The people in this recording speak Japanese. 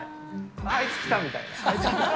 あいつ来たみたいな。